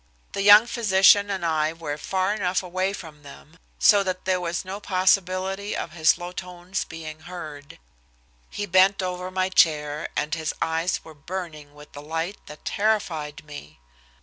The young physician and I were far enough away from them so that there was no possibility of his low tones being heard. He bent over my chair, and his eyes were burning with a light that terrified me.